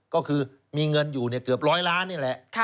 ก็คือมีเงินอยู่เกือบร้อยล้านนี่แหละ